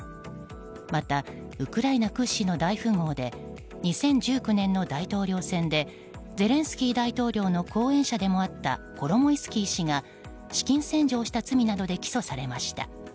また、ウクライナ屈指の大富豪で２０１９年の大統領選でゼレンスキー大統領の後援者でもあったコロモイスキー氏が資金洗浄した罪などで起訴されました。